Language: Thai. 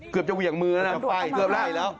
เกือบจะเหวี่ยงมือแล้วนะเกือบไล่แล้ว